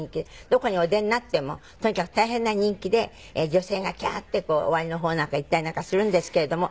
どこにお出になってもとにかく大変な人気で女性が「キャー」って終わりの方なんか言ったりなんかするんですけれども。